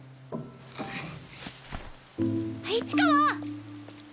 市川！